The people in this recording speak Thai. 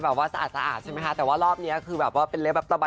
บางทีเราก็มันใส่เพื่อนเราเหมือนกันนะคะ